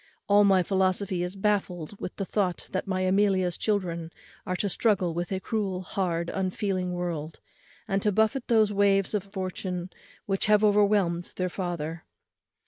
All my philosophy is baffled with the thought that my Amelia's children are to struggle with a cruel, hard, unfeeling world, and to buffet those waves of fortune which have overwhelmed their father.